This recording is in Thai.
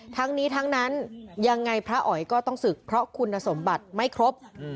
ทั้งนี้ทั้งนั้นยังไงพระอ๋อยก็ต้องศึกเพราะคุณสมบัติไม่ครบ